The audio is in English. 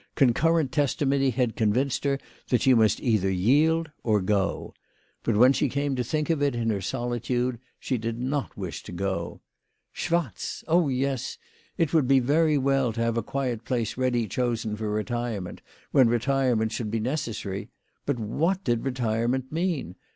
Concurrent testimony had convinced her that she must either yield or go. But, when she came to think of it WHY FRATJ FROHMANN RAISED HER PRICES. 85 in her solitude, she did not wish to go. Schwatz ! oh yes ; it would be very well to have a quiet place ready chosen for retirement when retirement should be neces sary. But what did retirement mean